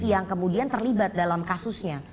yang kemudian terlibat dalam kasusnya